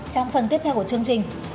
trong phần tiếp theo của chương trình